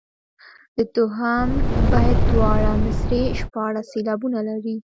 د دوهم بیت دواړه مصرعې شپاړس سېلابونه لري.